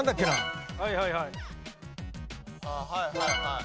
ああはいはいはい。